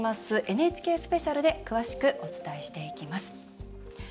ＮＨＫスペシャルで詳しくお伝えしていきます。